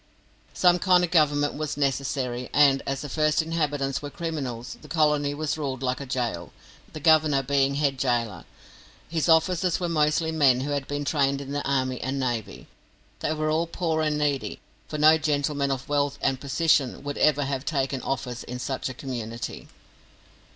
Some kind of Government was necessary, and, as the first inhabitants were criminals, the colony was ruled like a gaol, the Governor being head gaoler. His officers were mostly men who had been trained in the army and navy. They were all poor and needy, for no gentleman of wealth and position would ever have taken office in such a community.